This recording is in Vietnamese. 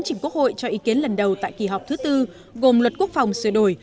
chỉnh quốc hội cho ý kiến lần đầu tại kỳ họp thứ tư gồm luật quốc phòng sửa đổi